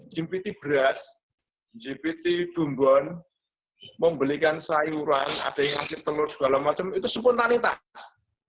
jmpt beras jmpt bumbun membelikan sayuran ada yang ngasih telur segala macam itu spontanitas